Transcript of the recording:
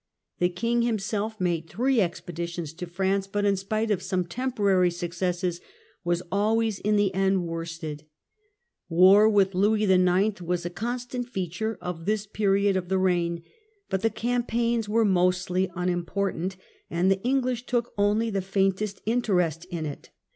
The king himself made three expeditions to France, but in spite of some tempbrary successes was always in the end worsted. War Battle of ^^^ Louis IX. was a constant feature of this Taiiieboufiff, period of the reign; but the campaigns were *"^' mostly unimportant, and the English took only the faintest interest in it.